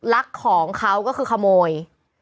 ลักของเขาก็คือขโมย